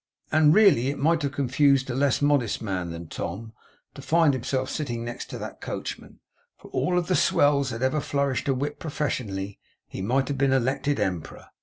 And really it might have confused a less modest man than Tom to find himself sitting next that coachman; for of all the swells that ever flourished a whip professionally, he might have been elected emperor.